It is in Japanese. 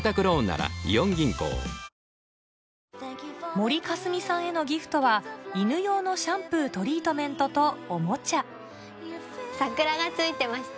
森香澄さんへのギフトは犬用のシャンプートリートメントとおもちゃ桜が付いてまして。